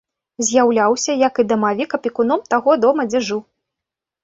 З'яўляўся, як і дамавік, апекуном таго дома, дзе жыў.